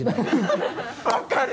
分かる！